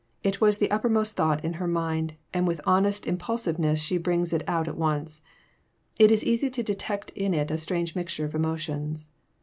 It was the uppermost thought in her mind, and with honest impulsiveness she brings it out at once. It is easy to detect in it a strange mixture of emotions.